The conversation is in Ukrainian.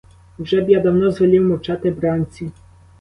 Вже б я давно звелів мовчати бранці.